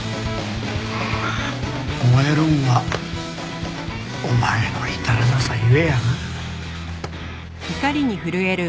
燃えるんはお前の至らなさ故やなあ。